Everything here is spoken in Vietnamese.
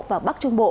và bắc trung bộ